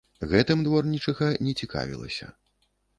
Гэтым дворнічыха не цікавілася.